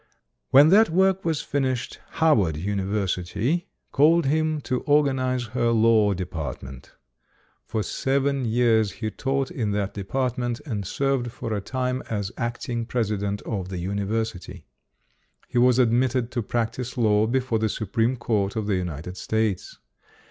When that work was finished, Howard Univer sity called him to organize her Law Department. JOHN MERCER LANGSTON [ 279 For seven years he taught in that Department, and served for a time as Acting President of the 'University. He was admitted to practice law before the Supreme Court of the United States.